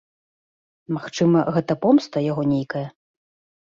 Магчыма, гэта помста яго нейкая.